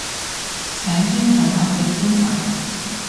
請尊重合約精神